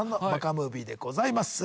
ムービーでございます。